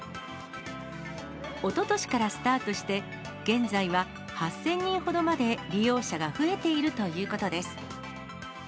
おととしからスタートして、現在は８０００人ほどまで利用者が増えているということです。